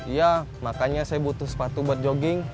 iya makanya saya butuh sepatu buat jogging